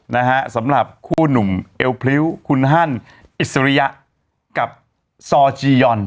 นะฮะสำหรับคู่หนุ่มเอวพริ้วคุณฮันอิสริยะกับซอจียอน